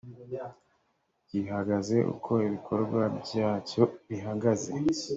gihagaze uko ibikorwa byacyo bihagaze